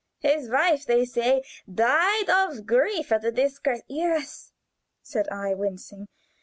"His wife, they say, died of grief at the disgrace " "Yes," said I, wincing.